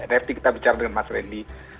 nanti kita bicara dengan mas randy